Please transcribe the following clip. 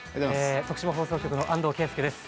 徳島放送局の安藤佳祐です。